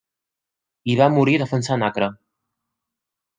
Hi va morir defensant Acre.